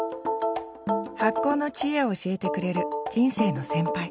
発酵の知恵を教えてくれる人生の先輩